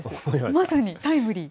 まさにタイムリー。